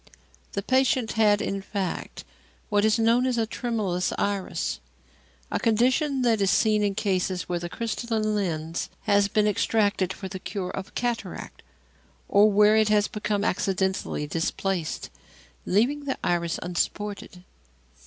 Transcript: The patient had, in fact, what is known as a tremulous iris, a condition that is seen in cases where the crystalline lens has been extracted for the cure of cataract, or where it has become accidentally displaced, leaving the iris unsupported.